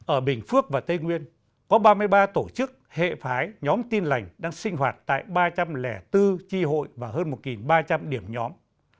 ở bình phước và tây nguyên có ba mươi ba tổ chức hệ phái nhóm tin lành đang sinh hoạt tại ba trăm linh bốn tri hội và hơn một ba trăm linh điểm nhóm